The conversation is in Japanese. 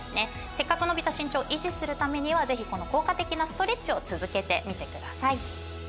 「せっかく伸びた身長を維持するためにはぜひこの効果的なストレッチを続けてみてください」